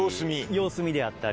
様子見であったり。